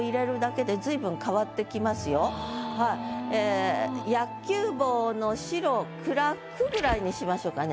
ええ「野球帽の白昏く」ぐらいにしましょうかね。